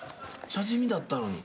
地味だったのに。